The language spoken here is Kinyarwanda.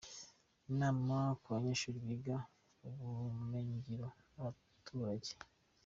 Inama ku banyeshuri biga ubumenyingiro n’abaturage.